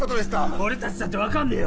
俺たちだって分かんねぇよ！